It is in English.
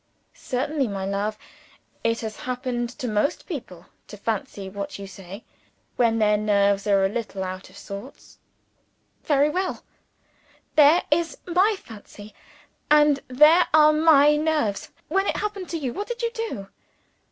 "Certainly, my love. It has happened to most people to fancy what you say, when their nerves are a little out of order." "Very well. There is my fancy, and there are my nerves. When it happened to you, what did you do?"